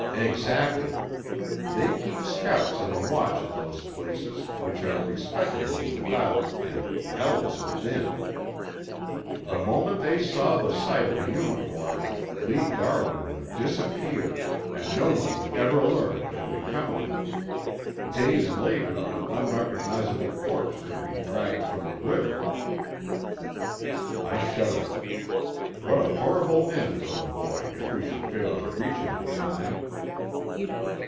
"Exactly. They keep scouts on the watch at those places, which are respectable without and hells within. The moment they saw the sight of a uniform Lee Darwin would disappear and no one would ever learn what had become of him. Days later an unrecognizable corpse would be dragged from the river." I shuddered. What a horrible end for the boy if we should fail to reach him in time!